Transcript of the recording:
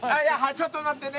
ちょっと待ってね。